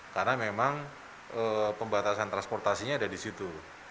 karena memang pembatasan transportasinya ada di situ